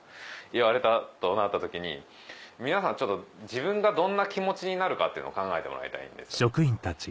言われたとなった時に皆さん自分がどんな気持ちになるかっていうのを考えてもらいたいんですよ。